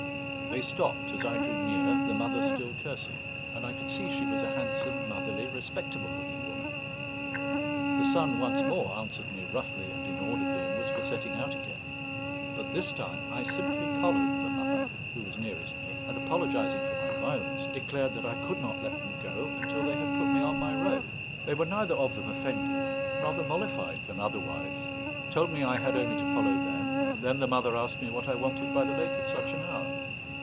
They stopped as I drew near, the mother still cursing; and I could see she was a handsome, motherly, respectable looking woman. The son once more answered me roughly and inaudibly, and was for setting out again. But this time I simply collared the mother, who was nearest me, and, apologizing for my violence, declared that I could not let them go until they had put me on my road. They were neither of them offended rather mollified than otherwise; told me I had only to follow them; and then the mother asked me what I wanted by the lake at such an hour.